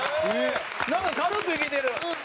なんか軽くいけてる。